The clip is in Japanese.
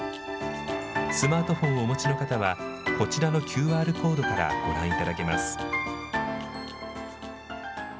スマートフォンをお持ちの方は、こちらのＱＲコードからご覧いただけます。